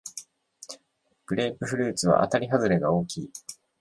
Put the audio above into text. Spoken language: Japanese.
グレープフルーツはあたりはずれが大きい